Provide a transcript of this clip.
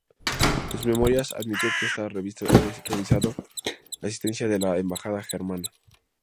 En sus memorias, admitió que esa revista había recibido asistencia de la Embajada germana.